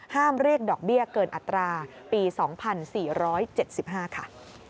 เรียกดอกเบี้ยเกินอัตราปี๒๔๗๕ค่ะ